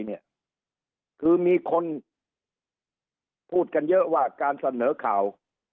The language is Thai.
คือมีคนพูดกันเยอะว่าการเสนอข่าว